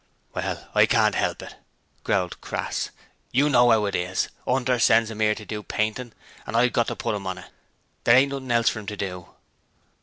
'Well, I can't 'elp it,' growled Crass. 'You know 'ow it is: 'Unter sends 'im 'ere to do paintin', and I've got to put 'im on it. There ain't nothing else for 'im to do.'